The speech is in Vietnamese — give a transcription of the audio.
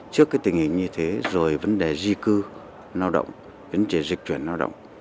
trước tình hình như thế rồi vấn đề di cư lao động di chuyển lao động